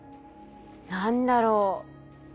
何だろう？